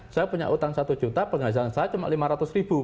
saya punya utang satu juta penghasilan saya lebih tinggi gitu ya